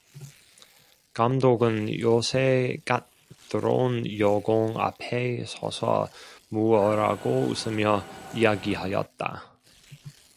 감독은 요새 갓 들어온 여공 앞에 서서 무어라고 웃으며 이야기하였다.